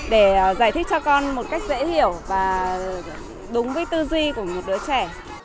để giải thích cho con một cách dễ hiểu và đúng với tư duy của một đứa trẻ